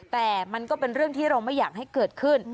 แต่มันก็เป็นเรื่องที่เราไม่อยากให้เกิดขึ้น